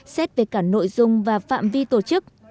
xét về cả nội dung và phạm vi tổ chức